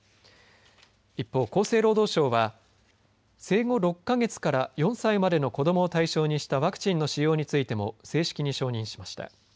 一方、厚生労働省は生後６か月から４歳までの子どもを対象にしたワクチンの使用についても正式に承認しました。